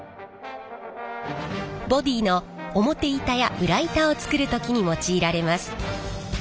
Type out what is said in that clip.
ボディーの表板や裏板を作る時に用いられます。